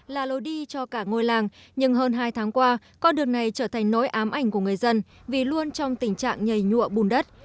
là lối đi cho cả ngôi làng nhưng hơn hai tháng qua con đường này trở thành nối ám ảnh của người dân vì luôn trong tình trạng nhảy nhụa bùn đất